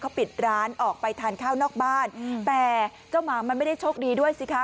เขาปิดร้านออกไปทานข้าวนอกบ้านแต่เจ้าหมามันไม่ได้โชคดีด้วยสิคะ